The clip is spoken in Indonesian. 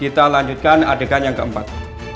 kita lanjutkan adegan yang keempat